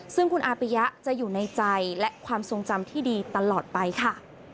ซึ่งคุณอาปิยะจะอยู่ในใจและความทรงจำที่ดีตลอดไปค่ะ